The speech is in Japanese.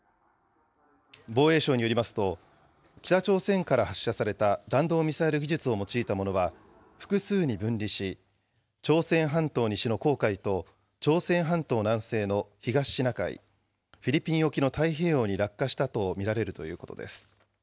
防衛省によりますと、北朝鮮から発射された弾道ミサイル技術を用いたものは複数に分離し、朝鮮半島西の黄海と、朝鮮半島南西の東シナ海、フィリピン沖の太平洋に落下したと見られるということです。